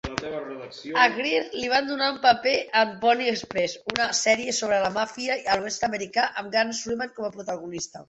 A Greer li van donar una paper en "Pony Express", una sèrie sobre la màfia a l'oest americà amb Grant Sullivan com a protagonista.